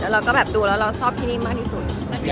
แล้วก็แบบดูแล้วเราชอบที่นี่มากที่สุด